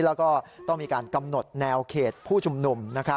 แล้วก็ต้องมีการกำหนดแนวเขตผู้ชุมนุม